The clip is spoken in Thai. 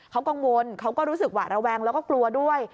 เขากังวลเขาก็รู้สึกหวาดระแวงแล้วก็กลัวด้วย